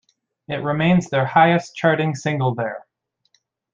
It remains their highest-charting single there.